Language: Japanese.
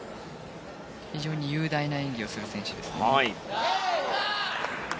非常に雄大な演技をする選手ですね。